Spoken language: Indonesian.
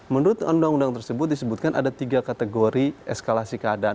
menurut undang undang tersebut disebutkan ada tiga kategori eskalasi keadaan